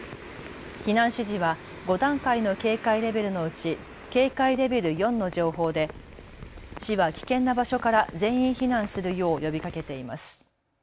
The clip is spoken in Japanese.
避難指示は５段階の警戒レベルのうち警戒レベル４の情報で市は危険な場所から全員避難するよう呼びかけています。